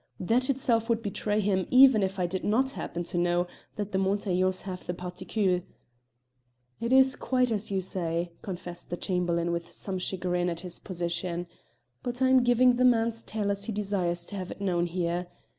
That itself would betray him even if I did not happen to know that the Montaiglons have the particule." "It is quite as you say," confessed the Chamberlain with some chagrin at his position, "but I'm giving the man's tale as he desires to have it known here.